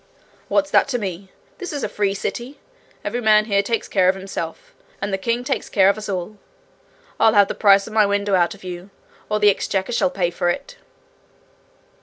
'What's that to me? This is a free city. Every man here takes care of himself, and the king takes care of us all. I'll have the price of my window out of you, or the exchequer shall pay for it.'